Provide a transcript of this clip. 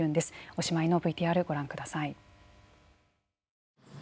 おしまいのＶＴＲをご覧ください。